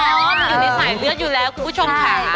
อ๋อมันนี่ใส่เลือดอยู่แล้วกุชงคะ